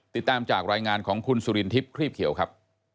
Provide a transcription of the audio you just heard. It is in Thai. ติดตามจากรายงานของคุณสุรินทิพย์ครีบเขียวครับ